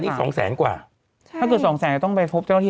นี่สองแสนกว่าถ้าเกิดสองแสนใกล้ต้องไปพบเจ้าที่